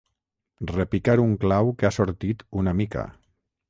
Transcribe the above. Repicar un clau que ha sortit una mica.